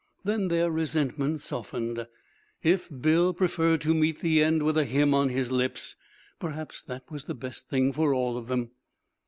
Then their resentment softened. If Bill preferred to meet the end with a hymn on his lips, perhaps that was the best thing for all of them.